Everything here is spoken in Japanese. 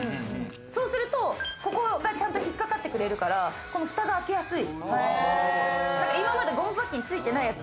そうするとちゃんと引っかかってくれるから、ふたが開けやすい。